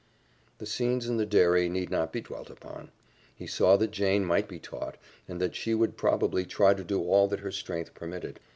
The scenes in the dairy need not be dwelt upon. He saw that Jane might be taught, and that she would probably try to do all that her strength permitted.